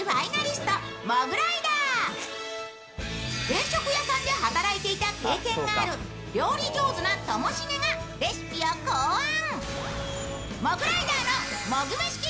定食屋さんで働いていた経験がある料理上手なともしげがレシピを考案。